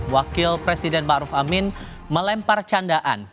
wakil presiden ma ruf amin melempar candaan